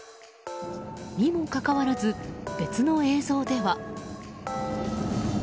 にもかかわらず、別の映像では。